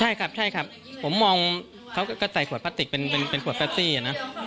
ใช่ครับใช่ครับผมมองเขาก็ใส่ขวดพลาสติกเป็นขวดแป๊ซี่นะ